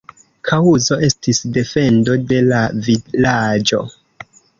Kaŭzo estis defendo de la vilaĝo.